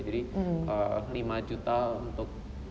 jadi lima juta untuk